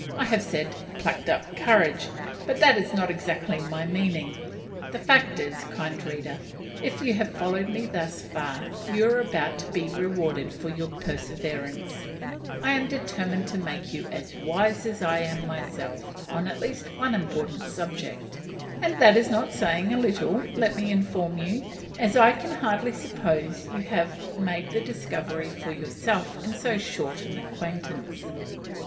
I have said "plucked up courage," but that is not exactly my meaning. The fact is, kind reader, if you have followed me thus far, you are about to be rewarded for your perseverance, I am determined to make you as wise as I am myself on at least one important subject, and that is not saying a little, let me inform you, as I can hardly suppose you have made the discovery for yourself on so short an acquaintance.